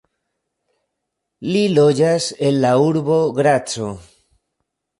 Li loĝas en la urbo Graco.